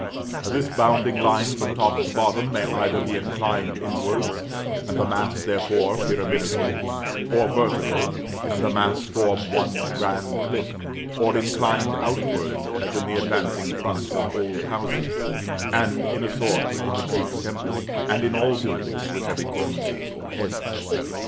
This bounding line from top to bottom may either be inclined inwards, and the mass, therefore, pyramidical; or vertical, and the mass form one grand cliff; or inclined outwards, as in the advancing fronts of old houses, and, in a sort, in the Greek temple, and in all buildings with heavy cornices or heads.